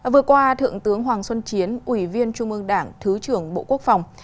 vừa qua thượng tướng hoàng xuân chiến ủy viên trung ương đảng thứ trưởng bộ quốc phòng